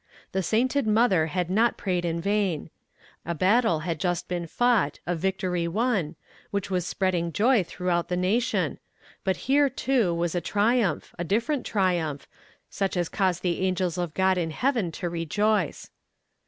The sainted mother had not prayed in vain. A battle had just been fought, a victory won, which was spreading joy throughout the nation; but here, too, was a triumph, a different triumph, such as cause the angels of God in heaven to rejoice.